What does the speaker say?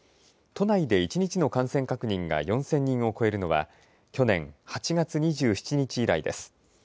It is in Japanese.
都内で１日の感染確認が４０００人を超えるのは、去年８月２７日以来です。